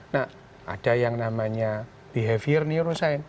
nah ada yang namanya behavior neuroscience